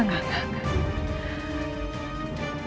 enggak enggak enggak